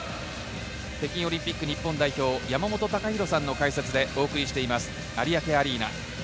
北京オリンピック日本代表・山本隆弘さんの解説でお送りしています、有明アリーナ。